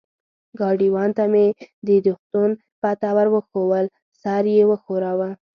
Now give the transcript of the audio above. ګاډیوان ته مې د روغتون پته ور وښوول، سر یې و ښوراوه.